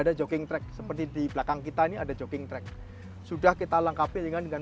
ada jogging track seperti di belakang kita ini ada jogging track sudah kita lengkapi dengan